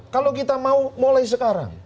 kalau kita mau mulai sekarang